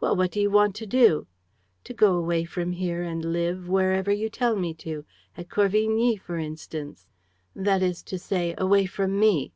"'Well, what do you want to do?' "'To go away from here and live ... wherever you tell me to: at Corvigny, for instance.' "'That is to say, away from me!'